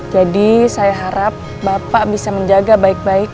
jadi saya harap bapak bisa menjaga baik baik